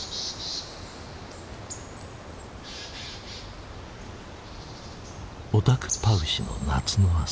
オタクパウシの夏の朝。